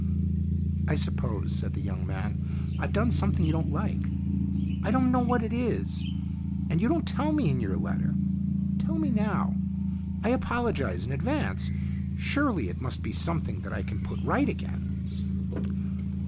"I suppose," said the young man, "I've done something you don't like. I don't know what it is, and you don't tell me in your letter. Tell me now. I apologize in advance. Surely it must be something that I can put right again."